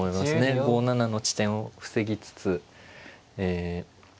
５七の地点を防ぎつつえ。